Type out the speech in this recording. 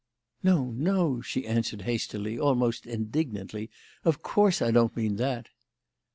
"No, no," she answered, hastily almost indignantly, "of course I don't mean that."